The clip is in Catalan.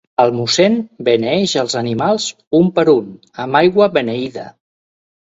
El mossèn beneeix els animals, un per un, amb aigua beneïda.